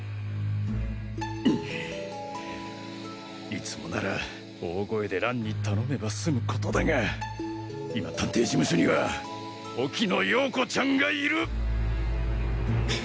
いつもなら大声で蘭に頼めば済む事だが今探偵事務所には沖野ヨーコちゃんがいる